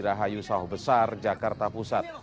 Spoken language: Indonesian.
rahayu sahobesar jakarta pusat